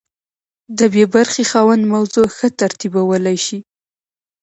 د بي برخې خاوند موضوع ښه ترتیبولی شي.